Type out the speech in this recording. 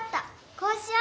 こうしよう。